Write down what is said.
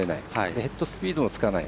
ヘッドスピードもつかない。